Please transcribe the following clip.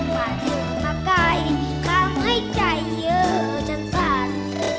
มาถึงมาใกล้ข้ามห้ายใจเยอะจนพัน